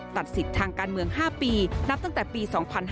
ตัดสิทธิ์ทางการเมือง๕ปีนับตั้งแต่ปี๒๕๕๙